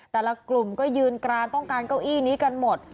แต่ละกลุ่มก็ยืนกรานต้องการเก้าอี้นี้กันหมด